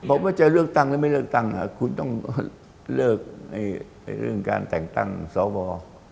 ผมว่าจะเลือกตั้งหรือไม่เลือกตั้งคุณต้องเลิกเรื่องการแต่งตั้งสว